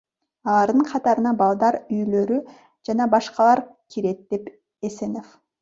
Алардын катарына балдар үйлөрү жана башкалар кирет, – дейт Асенов.